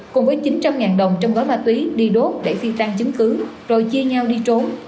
cùng với chín trăm linh đồng trong gói ma túy đi đốt để phi tăng chứng cứ rồi chia nhau đi trốn